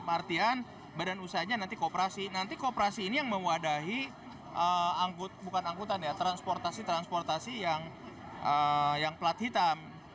artian badan usahanya nanti kooperasi nanti kooperasi ini yang mewadahi transportasi transportasi yang pelat hitam